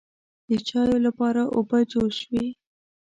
د چایو لپاره اوبه جوش شوې.